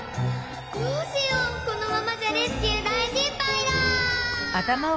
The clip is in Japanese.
どうしようこのままじゃレスキュー大しっぱいだ！